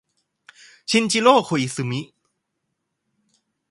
ชินจิโร โคอิสุมิ